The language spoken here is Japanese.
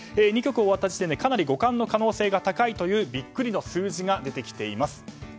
２局終わった時点で五冠の可能性が高いというビックリの数字が出てきています。